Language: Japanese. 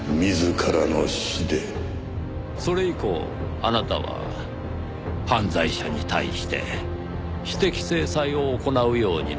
それ以降あなたは犯罪者に対して私的制裁を行うようになった。